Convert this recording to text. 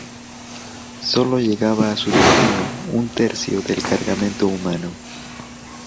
Solo llegaba a su destino un tercio del cargamento humano.